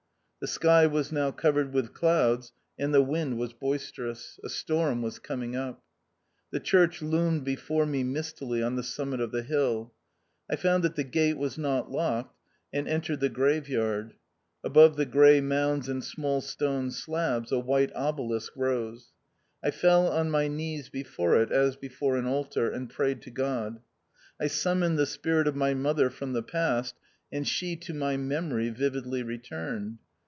The sky was now covered with clouds, and the wind was boisterous. A storm was com ing up. The church loomed before me mistily on the summit of the hill. I found that the gate was not locked, and entered the grave yard. Above the grass mounds and small stone slabs, a white obelisk rose ; I fell on my knees before it, as before an altar, and prayed to God. I summoned the spirit of my mother from the past, and she to my memory vividly returned.